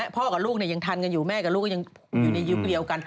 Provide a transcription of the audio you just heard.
กับลูกยังทันกันอยู่แม่กับลูกก็ยังอยู่ในยุคเดียวกัน